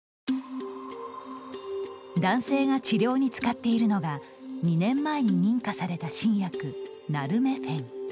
男性が治療に使っているのが２年前に認可された新薬ナルメフェン。